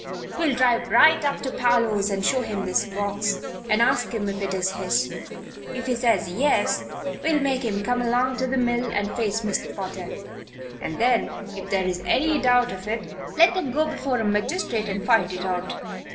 We'll drive right up to Parloe's and show him this box, and ask him if it is his. If he says yes, we'll make him come along to the mill and face Mr. Potter, and then if there is any doubt of it, let them go before a magistrate and fight it out!"